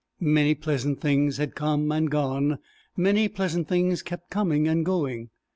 Many pleasant things had come and gone; many pleasant things kept coming and going.